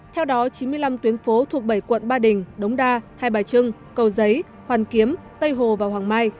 theo đó chín mươi năm tuyến phố thuộc bảy quận ba đình đống đa hai bài trưng cầu giấy hoàn kiếm tây hồ và hoàng mai